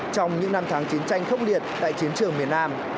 trong những năm tháng chiến tranh khốc liệt tại chiến trường miền nam